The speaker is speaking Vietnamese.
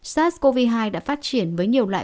sars cov hai đã phát triển với nhiều loại